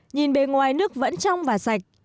nhìn bế ngoài nước vẫn trong và sạch